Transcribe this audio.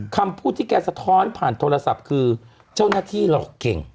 คำพูดที่แกสะท้อนผ่านโทรศัพท์คือเจ้าหน้าที่หลอกเก่ง